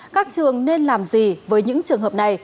các trường nên làm gì với những trường hợp này